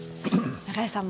永江さん